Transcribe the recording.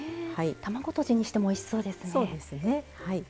卵とじにしてもおいしそうですね。